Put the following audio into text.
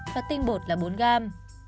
và tinh bột là bốn gram